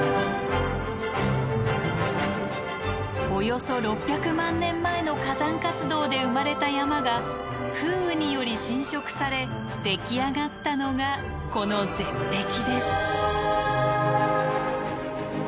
およそ６００万年前の火山活動で生まれた山が風雨により浸食されでき上がったのがこの絶壁です。